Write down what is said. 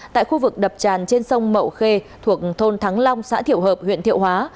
tại khu vực đập tràn trên sông mậu khê thuộc thôn thắng long xã thiệu hợp huyện thiệu hóa